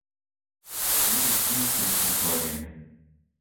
Иди птићу у планину!